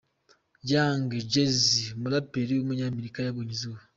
Young Jeezy, umuraperi w’umunyamerika yabonye izuba.